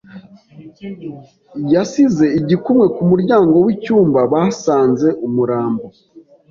yasize igikumwe ku muryango w'icyumba basanze umurambo.